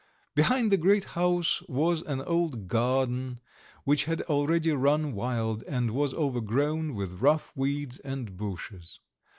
Behind the great house was an old garden which had already run wild, and was overgrown with rough weeds and bushes.